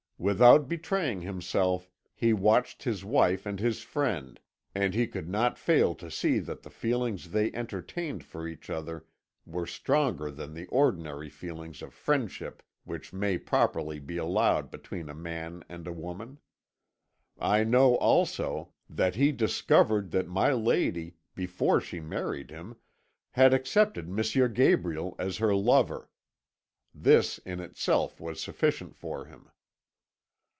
Without betraying himself, he watched his wife and his friend, and he could not fail to see that the feelings they entertained for each other were stronger than the ordinary feelings of friendship which may properly be allowed between a man and a woman. I know, also, that he discovered that my lady, before she married him, had accepted M. Gabriel as her lover. This in itself was sufficient for him.